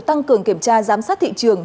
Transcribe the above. tăng cường kiểm tra giám sát thị trường